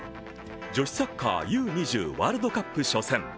女子サッカーＵ−２０ワールドカップ初戦。